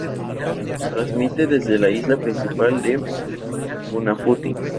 Transmite desde la isla principal de Funafuti.